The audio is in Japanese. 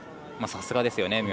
さすがですよね。